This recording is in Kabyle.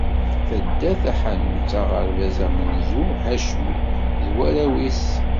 Taddart Taḥanut, aɣerbaz amenzu Hacmi d warraw-is.